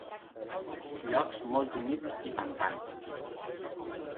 Llocs molt humits i pantans.